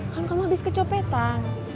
kan kamu habis kecopetan